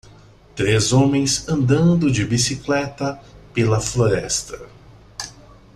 Três homens andando de bicicleta pela floresta.